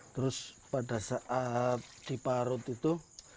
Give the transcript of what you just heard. terus pada saat diparut itu